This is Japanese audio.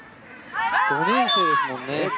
５年生ですもんね。